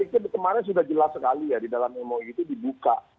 dan itu kemarin sudah jelas sekali ya di dalam moi itu dibuka